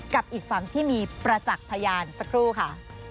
กับอีกฝั่งที่มีประจักษ์พยานสักครู่ค่ะ